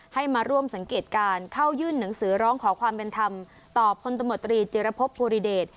ให้มาร่วมสังเกตการเข้ายื่นหนังสือร้องขอความเป็นธรรมต่อพลตำรวจตรีจิรพบภูริเดช